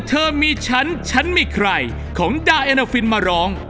เธอมีฉันฉันมีใครของดาเอนาฟินมาร้อง